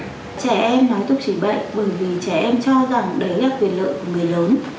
trẻ em nói tục chuyển bệnh bởi vì trẻ em cho rằng đấy là quyền lợi của người lớn